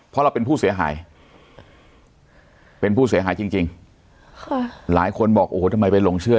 เป็นผู้เสียหายจริงจริงหลายคนบอกโอ้โฮทำไมไปลงเชื่อ